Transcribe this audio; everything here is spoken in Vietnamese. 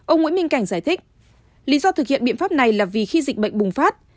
ông nguyễn minh cảnh giải thích lý do thực hiện biện pháp này là vì khi dịch bệnh bùng phát